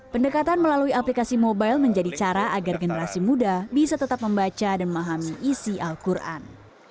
pendekatan melalui aplikasi mobile menjadi cara agar generasi muda bisa tetap membaca dan memahami isi al quran